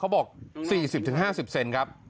บอก๔๐๕๐เซนครับ